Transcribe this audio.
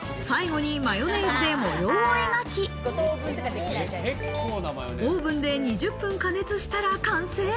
最後にマヨネーズで模様を描き、オーブンで２０分加熱したら完成。